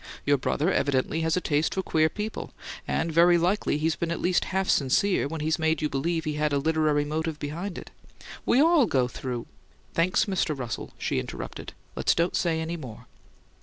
Your brother evidently has a taste for queer people, and very likely he's been at least half sincere when he's made you believe he had a literary motive behind it. We all go through " "Thanks, Mr. Russell," she interrupted. "Let's don't say any more."